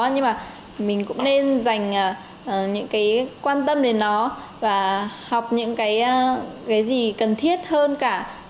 nhưng mà mình cũng nên dành những cái quan tâm đến nó và học những cái gì cần thiết hơn cả